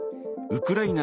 ウクライナ